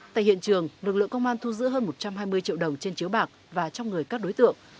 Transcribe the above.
tại hiện trường lực lượng công an thu giữ hơn một trăm hai mươi triệu đồng trên chiếu bạc và trong người các đối tượng